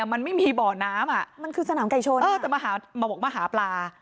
มันไม่มีบ่อน้ำมันคือสนามไก่ชนจะมาบอกมาหาปลา